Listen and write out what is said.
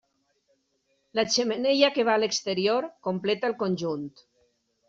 La xemeneia, que va a l'exterior, completa el conjunt.